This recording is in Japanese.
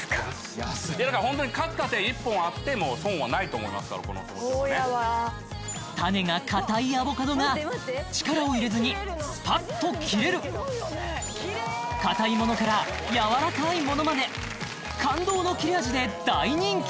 安いだからホントに各家庭１本あって損はないと思いますからこの包丁そうやわが力を入れずにスパッと切れる硬いものからやわらかいものまで感動の切れ味で大人気！